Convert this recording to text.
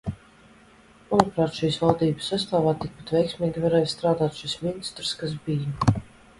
Manuprāt, šīs valdības sastāvā tikpat veiksmīgi varēja strādāt šis ministrs, kas bija.